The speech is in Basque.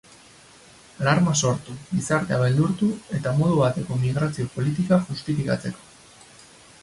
Alarma sortu, gizartea beldurtu, eta modu bateko migrazio politikak justifikatzeko.